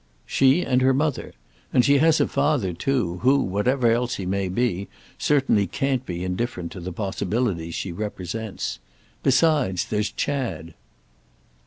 "She and her mother. And she has a father too, who, whatever else he may be, certainly can't be indifferent to the possibilities she represents. Besides, there's Chad."